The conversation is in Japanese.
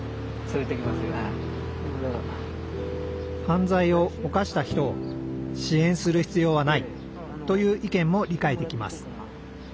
犯罪を犯した人を支援する必要はないという意見も理解できます。